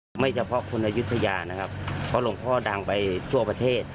ไม่เฉพาะคนอายุทยานะครับเพราะหลวงพ่อดังไปทั่วประเทศ